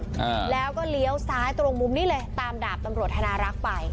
อ่าแล้วก็เลี้ยวซ้ายตรงมุมนี้เลยตามดาบตำรวจธนารักษ์ไป